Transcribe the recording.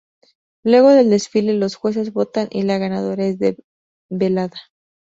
Luego del desfile, los jueces votan y la ganadora es develada.